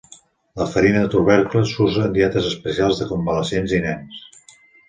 La farina dels tubercles s'usa en dietes especials de convalescents i nens.